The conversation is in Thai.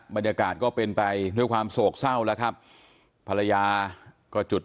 บรรยากาศก็เป็นไปด้วยความโศกเศร้าแล้วครับภรรยาก็จุด